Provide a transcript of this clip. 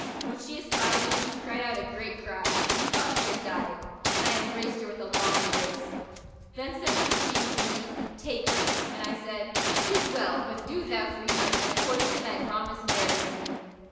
When she espied me, she cried out a great cry, methought she had died, and I embraced her with a long embrace. Then said the Hashimi to me, 'Take her;' and I said, ''Tis well: but do thou free her and according to thy promise marry her to me.'